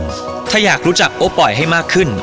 เพราะว่าพรรคภรถ้าอยากรู้จักโอ้วปล่อยให้มากขึ้น